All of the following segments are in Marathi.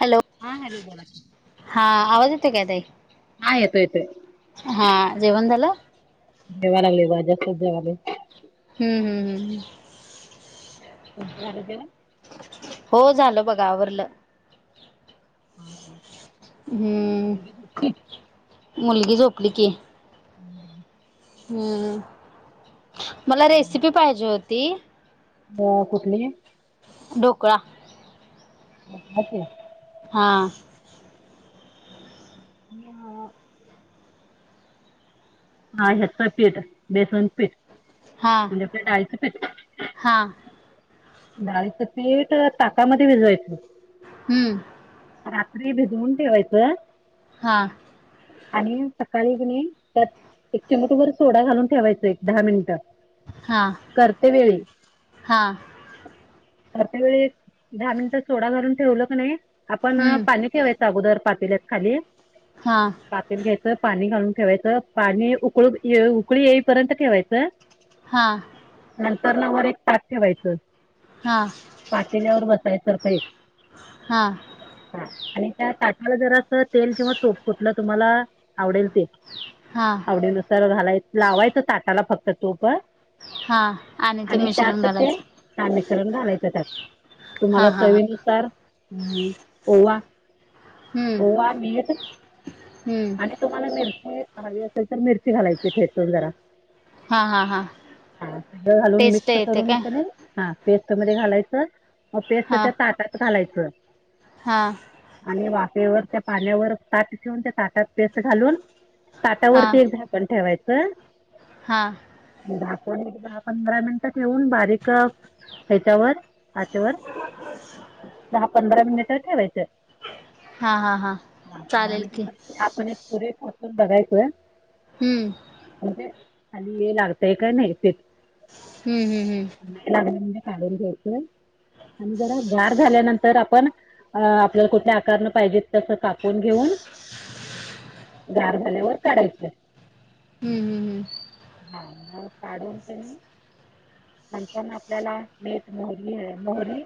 हॅलो! हा हॅलो बोला की. हा आवाज येतो काय ताई, हा येतोय येतोय हा जेवण झालं? जेवा लागलोय बघ, जस्टच जेवलोय. हम्म हम्म हम्म हम्म तुमचं झालं जेवण? हो झालं बघा आवरलं. हम्म हम्म हम्म, मुलगी झोपली की. [inaudible] हम्म, मला रेसिपी पाहिजे होती. अ कुठली? ढोकळा. [unintelligible] हा म हा हेच पीठ बेसन पीठ. हा म्हणजे आपलं डाळीच पीठ. हा डाळीचं पीठ ताकामध्ये भिजवायचं. हम्म रात्री भिजवून ठेवायचं. हा आणि सकाळी का नि एक चिमुटभर सोडा घालून ठेवायचं एक दहा मिनिटं. हा करतेवेळी. हा करतेवेळी, दहा मिनिटं सोडा घालून ठेवलं क नाही, आपण हम्म पाणी ठेवायचं अगोदर पातलेत खाली. हां. पातेला घ्यायचं पाणी घालून ठेवायचं पाणी उकळून उकळी येईपर्यंत ठेवायचं. हां. नंतर ना वर एक ताक ठेवायचं. हा पातिल्यावर बसायाचं असा एक हा हा आणि त्या ताटाला जर असं तेल किंवा तूप कुटलं तुम्हाला आवडेल ते हा. आवडीनुसार घालाय लावायचं ताटाला फक्त तूप हा आणि ते आणि मिश्रण त्यात ते घालायचं हा मिश्रण घालायचं त्यात. हा तुम्हाला हा हा चवीनुसार ओवा हम्म होवा मीठ हम्म आणि तुम्हाला मिरची हवी असेल तर मिरची घालायची ठेचून जरा हा हा हा ह सगळं घालून टेस्ट मिक्स येते करून काय त्याने हा पेस्ट मध्ये घालायचं पेस्ट त्या ताटात घालायचं. हां. आणि वाफेवर त्या पाण्यावर ताट ठेवून त्या ताटात पेस्ट घालून त्या वरती एक झाकण ठेवायचं. हां. दहा को दहा पंधरा मिनिटं ठेऊन बारीक ह्याच्यावर ताटवर दहा पंधरा मिनिट ठेवायचं. हा हा हा म्हण चालेल की आपण एक सुरे कोचून बघायचोय. हम्म. म्हणजे खाली ये लागतय काय नाही ते हम्म हम् हम्. ला म्हणजे काढून घ्यायचय आणि जरा जाड झाल्यानंतर आपण अ आपल्याला कुठल्या आकारने पाहिजेत तसं कापून घेऊन गार झाल्यावर काढायच हम्म हम्म हम्म हा मग काढून त्यांनी नंतर आपल्याला मीठ मोहरी मोहरी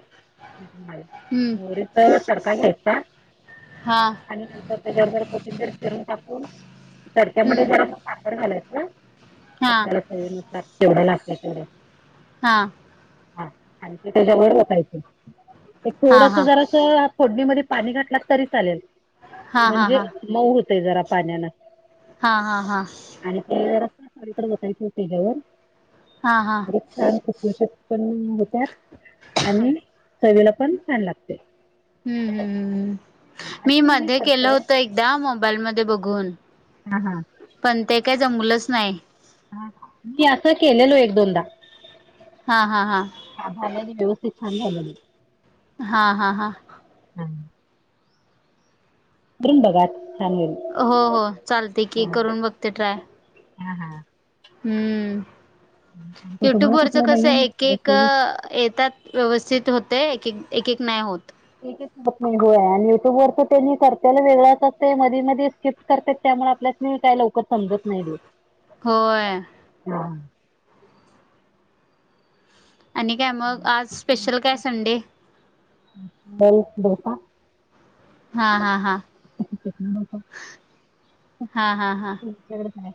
हम्म मोरी तर सारख घ्यायचा. हां. आणि नंतर त्याच्यावर जर कोथिंबर चिरून टाकून तडक्यामध्ये हम्म जरस आपनं साखर घालायच. हा आपल्याला स न तेवढं लागलं तेवढं [unintelligible] हा. त्याच्याब वातायच एक हा थोडस हा जरा फोडणीमध्ये पाणी घातला तरी चालेल हा हा हा म्हणजे मऊ होते जरा पाण्यान. हा हा हा. आणि ते रस्ता सकडे बसायचं त्याच्यावर हा हा. मग छान कसष पण होत्या आणि चवेला पण छान लागते. हम् हम. मी अशी मध्ये केलं करतोय होत एकदा मोबाईल मध्ये बघून हा हा. पण ते काही जमलंच नाही. मी असं केलेलो एक दोनदा हा हा हा. आतालेली व्यवस्थित छंद आहेली हा हा हा हा. बृंदवान हो हो चालते की करून बघते ट्राय हम हम हम्म आणखी युट्यूब तुम्हाला वरच कुठलं कसं नवीन एक एक रेसिपी येतात व्यवस्थित होते एक एक एक नाही होत एकच होय आणि युट्यूबवर तर त्यांनी करतेला वेगळंच असते मधी मध्ये स्किप्ट करते त्यामुळे आपल्यास मी काय ल समजत नाही होय देेत हा आणि काय मग आज स्पेशल काय संडे ब दोसा हा हा हा च्याक हा हा हा काय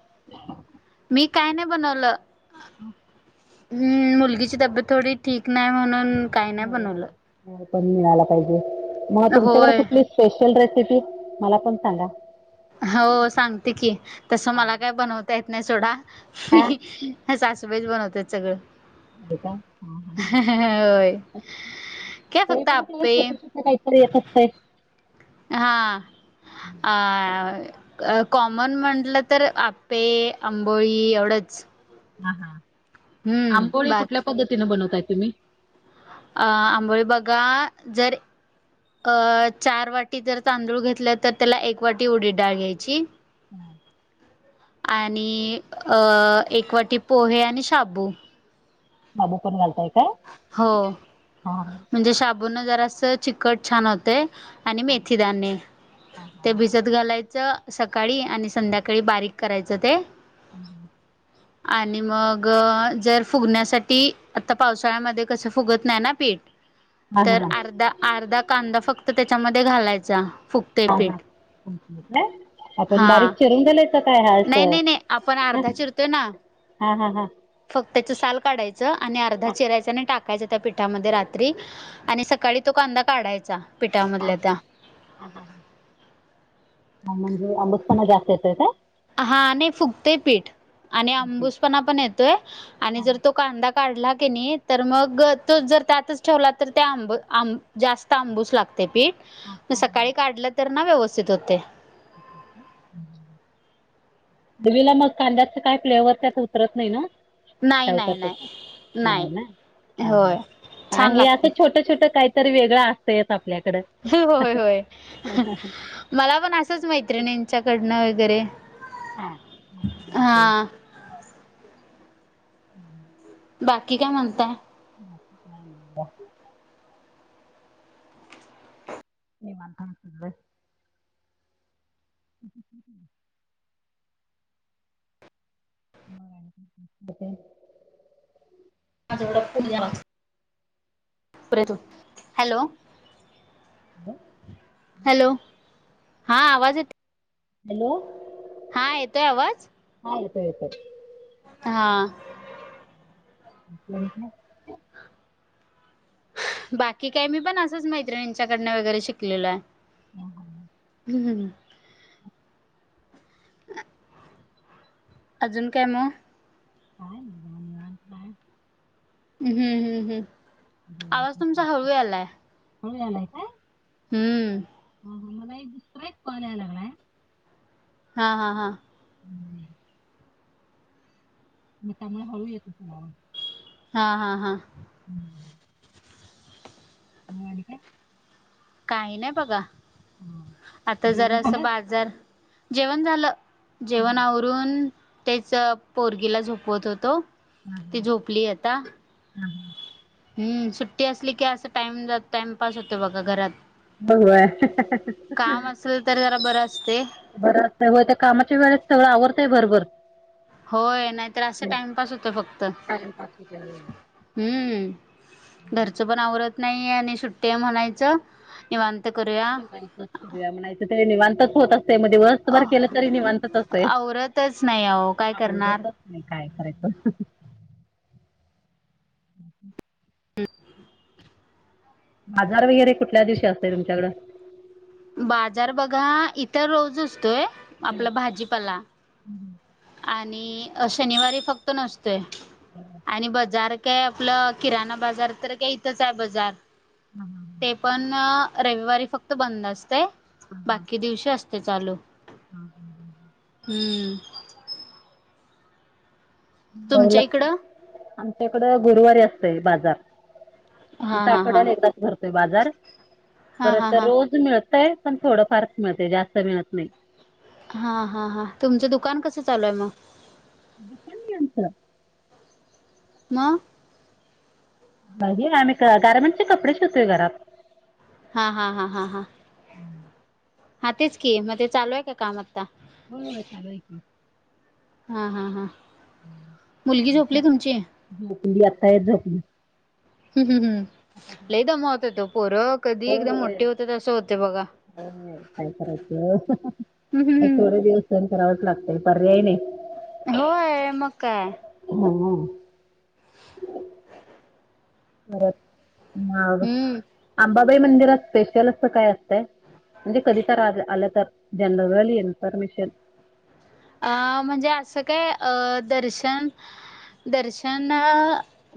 मी काय नाही बनवलं ् मुलगीची तब्येत थोडी ठीक नाही म्हणून काही नाही बनवलं हो पण मिळाला पाहिजे मग तुमच्याकडे होय कुठली स्पेशल रेसिपी मला पण सांगा हो सांगते की तसं मला काय बनवता येत नाही सोडा मी ह सासबाईज बनवते सगळं का होय काय ते फक्त पण आपल्याला आप्पे छोट्या छट काहीतरी येत असतय हां अ कॉमन म्हटलं तर आपे आंबोळी एवढंच हा हा हम्म आंबोळी कुठल्या बाकी पद्धतीने बनवताय तुम्ही अ आंबोळी बघा जर अ चार वाटी जर तांदूळ घेतलं तर त्याला एक वाटी उडी डाळ घ्यायची हम आणि एक वाटी पोहे आणि शाबू बाबू पण घालताय काय हो हां हां म्हणजे शबून जरा अस चिकट छान होते आणि हां मेथीदाने,, हां ते भिजत घालायचं. सकाळी आणि संध्याकाळी बारीक करायचं ते. आणि मग जर फुगण्यासाठी आता. पावसाळ्यामध्ये कस फुगत नाही ना पीठ,, हां तर हां अर्धाऽ अर्धा कांदा फक्त त्याच्यामध्ये घालायचा,,, फुगतय पीठ. हम काय आपण हा बारीक चिरून गेलायचं काय नाही नाही नाही आपण हालस अर्धा चिरतोय ना हा हा हा फक्त त्याच साल काढायचं आणि अर्धा चिरायच आणि टाकायचं त्या पिठामध्ये रात्री आणि सकाळी तो कांदा काढायचा पिठामधल्या त्या म्हणजे अंमूजपणा जास्त येतय का हा नाही फुकतय पीठ आणि ओके अंबुसपणा पण येतोय आणि जर तो त कांदा काढला की नाही,, तर मग तो जर त्यातच ठेवला,, तर त्या आंब आं जास्त आंबूस लागतोऽ ते पीठ,, म सकाळी काढलं तर ना व्यवस्थित होतय. दिवीला मग कांद्याच काय फ्लेवर त्यात उतरत नाही ना? नाही ठेवता नाही ते,, नाही नाही ना,, ह होय हा छान हे असं लागते छोटं, छोट काहीऽ तर वेगळं असतंयचआपल्याकड. होय होय,, मला पण असंच, मैत्रिणीच्याकडनं वगैरे. हा,, म तेऽ हा बाकी काय म्हणताय? ब का? म् अंतसय. त काय. [unintelligible] हॅलो हॅलो, हा आवाज येत हॅलो हा, येतोय आवाज? हा, येतोय-येतोय. हां. [unintelligible] बाकी काय, मी पण असंच मैत्रिणींच्याकडन वगैरे शिकलेलो आय. ह ह [inaudible] हम हम [inaudible] अजून काय मग? काय नाही [unintelligible] हम्म -हम्म -हम्म- हम्म. आवाज तुमचा हळू [unintelligible] यालाय हळू यालाय काय? हम्म... हा मला एक दुसरा एक कॉल याय लागलाय. हा- हा- हा. हम्म मग त्यामुळ हळू येत असलं आवाज. हा -हा -हा. हम्म. म काय? काही नाही बघा, आता जरासं बाजार, जेवण झालं. जेवण आवरून तेच पोरगीला झोपवत होतो, ती झोपली अ ता. हा -हा. हम्म, सुट्टी असली की असं टाइम जात -टाइमपास होतोय बघा घरात. [unintelligible] [inaudible] असल [unintelligible] तर जरा बरं असतय. बरं असतय व्हय त्या कामाच्या वेळेत सगळं आवरतयं भरभर. होय नाहीतर असं असतंय टाइमपास होतो फक्त. होय. [inaudible] हम्म... घरचं पण आवरत नाही, आणि सुट्टी हाय म्हणायचं निवांत करूया. [unintelligible] म्हणायचं तरी निवांतच होत असतय म दिवस अ दिवसभर केल तरी निवांतचं असतय. आवरतच नाही अहो काय करणार. आवरतच [unintelligible] नाही, काय करायच? [inaudible] बाजार वगैरे कुठल्या दिवशी असतोय तुमच्याकडं? बाजार बघा इथं रोज असतोय आपला भाजीपाला. आणि शनिवारी फक्त नसतोय, आणि बजार काय आपलं किराणा बाजार तर काय इथंच आहे बझार ते पण रविवारी फक्त बंद असतय, बाकी दिवशी असतय चालू. हा- हा-हा. हम्म हो तुमच्या इकडं [unintelligible] आमच्याकडं गुरुवारी असतय बाजार. हा आमचा हा हा आठवड्यात एकदाच भरतोय बाजार हा हा परत हा रोज मिळतय. पण थोडं फारच मिळतय जास्त मिळत नाही. हा -हा- हा. तुमचं दुकान कसं चालूय मग? दुकान नाही आमचं. म? ही [unintelligible] गारमेंटची कपडे शिवतोय घरात. हा -हा -हा -हा- हा. हा तेच की मग ते चालू हाय का काम आता? होय होय चालू आहे की. हा हा हा. मुलगी झोपली तुमची? झोपली. आताय झोपली. हम्म हम्म लयं दमवत्यात ओ पोर. कधी एकदा मोठी होत्यात अस होतय बघा. हो काय करायचं. हम्म हम्म एक हम्म थोडे दिवस सहन करावंच लागतय. पर्याय नाही. होय मग काय. हो हो परत मग हम्म अंबाबाई मंदिरात स्पेशल अस काय असत? म्हणजे कधी तर आज आलं तर. जनरल इन्फर्मेशन अ म्हणजे अस काय अ दर्शन दर्शन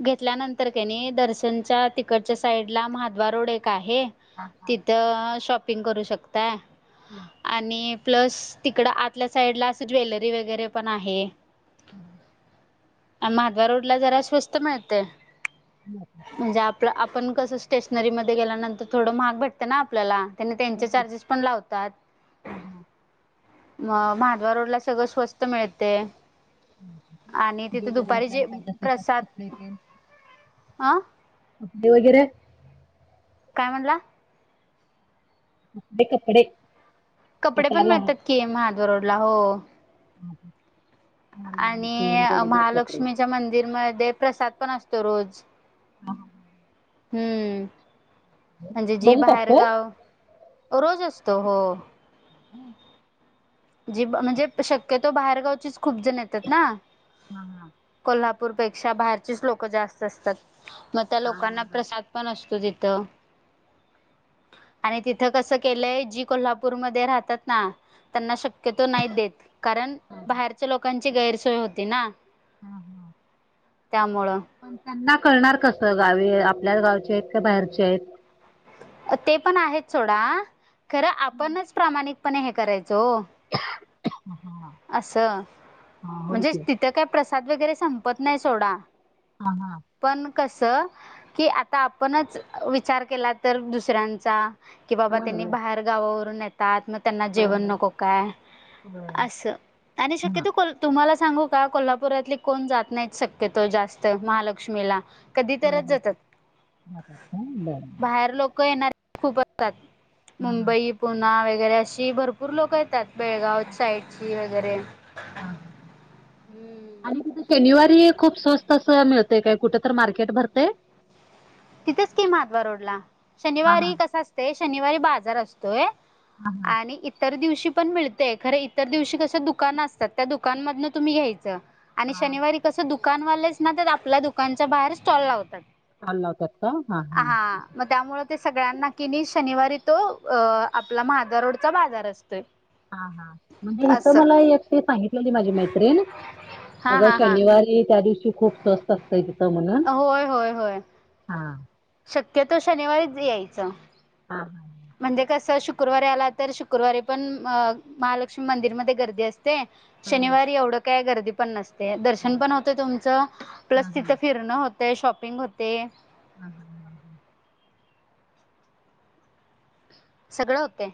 घेतल्यानंतर काय नाही, दर्शनच्या तिकडच्या साईडला महादवा रोड एक आहे. तिथं शॉपिंग करू शकताय. हम्म आणि प्लस तिकडं आतल्या साईडला असं ज्वेलरी वगैरे पण आहे. [inaudible] मागल्या रोडला जरा स्वस्त मिळतय. [unintelligible] म्हणजे आपलं आपण कसं स्टेशनरीमध्ये गेल्यानंतर थोडं महाग भेटतं ना आपल्याला. त्यांना त्यांचे चार्जेस पण लावतात. म माधवा रोडला सगळं स्वस्त मिळते. आणि तिथे दुपारी जे प्रसाद अं कपडे वगैरे काय म्हणला? कपडे कपडे कपडे आता पण लहान मिळतात की. महाद्वार रोडला हो. [unintelligible] लहान आणि मुलांचे रेडीमेड कपडे महालक्ष्मीच्या मंदिरमध्ये प्रसाद पण असतो रोज. [unintelligible] हम्म, म्हणजे जी बघू टाकतोय बाहेरगाव रोज असतो हो. [unintelligible] जी म्हणजे, शक्यतो बाहेरगावचीच खूप जण येतात ना. कोल्हापूरपेक्षा बाहेरचेच लोक जास्त असतात. मग त्या लोकांना प्रसाद पण असतो तिथ. आणि तिथ कस केलय. जी कोल्हापूरमध्ये राहतात ना त्यांना शक शक्यतो नाही देत. कारण बाहेरच्या लोकांची गैरसोय होती ना. हा हा त्यामुळं पण त्यांना कळणार कस गावी आपल्याच गावचे आहेत. का बाहेरचे आहेत. ते पण आहेत सोडा. खरं आपणच प्रामाणिकपणे हे करायच हो. ह हा अस म्हणजे तिथं काय प्रसाद वगैरे संपत नाही सोडा. हा हा पण कसं की आता आपणच विचार केला तर दुसऱ्यांचा कि बाबा त्यांनी बाहेर गावावरून आहेत. मग त्यांना जेवण नको काय अस. आणि शक्यतो को तुम्हाला सांगू का कोल्हापुरातली कोण जात नाही शक्यतो जास्त महालक्ष्मीला. कधी तरच जातात. बाहेर लोक येणारे खूप असतात. मुंबई, पुणा वगैरे अशी भरपूर लोक येतात. बेळगाव साईडची वगैरे. ह ह हम्म. ह आणि क शनिवारी खूप स्वस्त असं मिळतय काय कुठे तर मार्केट भरते. तिथेच कि मधवा रोडला शनिवारी कसा असते शनिवारी बाजार असतोय. आणि इ इतर दिवशी पण मिळतेय खरं इतर दिवशी कसं दुकान असतात त्या दुकानामधन तुम्ही घ्यायचं. आणि शनिवारी कसं दुकानवालेच ना तर आपल्या दुकानच्या बाहेर स्टॉल लावतात अल तर. आ हा. मग त्यामुळे ते सगळ्यांना किनी शनिवारी तो अ आपला म्हदा रोडचा बाजार असतोय. हा हा म्हणजे हथ असं मला एकट सांगितलेली माझी मैत्रीण. हा अग हा हा. शनिवारी त्या दिवशी खूप स्वस्त असतंय तिथं म्हण. होय होय होय. हा. शक्यतो शनिवारीच यायचं. हां हां. म्हणजे कसं शुक्रवारी आला तर शुक्रवारी पण महालक्ष्मी मंदिरमध्ये गर्दी असते. ते शनिवारी एवढं काय गर्दी. पण नसते दर्शन पण होते तुमचं प्लस तिथे फिरणं होत शॉपिंग होते. ह ह. सगळं होते.